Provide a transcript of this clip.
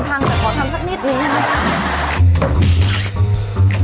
แต่ขอทำสักนิดหนึ่งได้ไหมครับ